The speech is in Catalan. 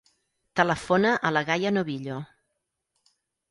Telefona a la Gaia Novillo.